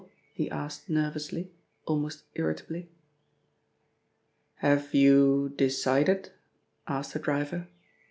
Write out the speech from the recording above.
he asked nervously, almost irritably. "Have you decided?" asked the driver.